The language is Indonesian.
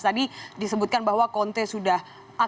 tadi disebutkan bahwa conte sudah akan berubah